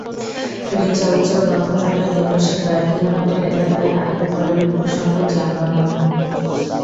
ফেরি চলাচল বন্ধ থাকায় দুই পাশে কয়েক কিলোমিটার এলাকায় আটকে পড়ে বিপুলসংখ্যক যানবাহন।